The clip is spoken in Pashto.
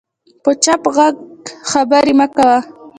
په چپ غوږ خبرې مه کوه